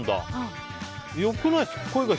良くないですか？